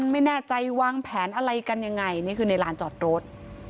ไม่แน่ใจวางแผนอะไรกันยังไงนี่คือในลานจอดรถ